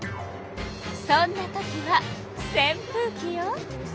そんなときはせんぷうきよ。